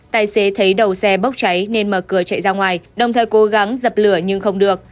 tài xế thấy đầu xe bốc cháy nên mở cửa chạy ra ngoài đồng thời cố gắng dập lửa nhưng không được